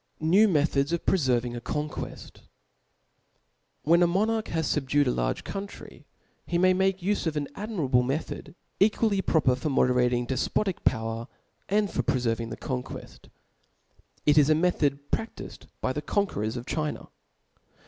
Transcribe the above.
New Methods of preferring a Conqueji^ \XrH^N ^ monarch has fubdued alargecoun• ^^ trj% he mvf maltie ufe q£ ao admirable me thod^ equally proper for moderating defpotic power, and for prefejrving the conaueft*, it is a metliod pi^i^ifefi by the conquerors of China.